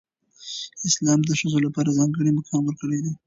اسلام د ښځو لپاره ځانګړی مقام ورکړی دی.